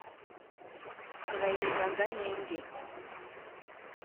murayime agahenge